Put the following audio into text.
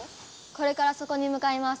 これからそこにむかいます。